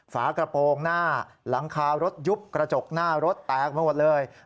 ฝากระโปรงหน้าหลังคารถยุบกระจกหน้ารถแตกไปหมดเลย